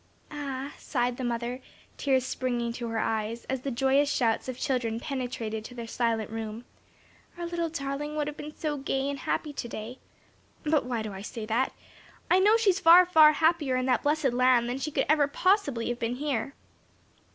"Ah," sighed the mother, tears springing to her eyes, as the joyous shouts of children penetrated to their silent room, "our little darling would have been so gay and happy to day! But why do I say that! I know she is far, far happier in that blessed land than she could ever possibly have been here."